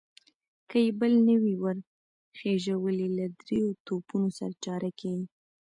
که يې بل نه وي ور خېژولی، له درېيو توپونو سره چاره کېږي.